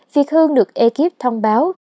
phi hương được ekip thông báo